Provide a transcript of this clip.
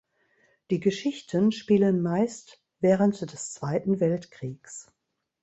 Die Geschichten spielen meist während des Zweiten Weltkriegs.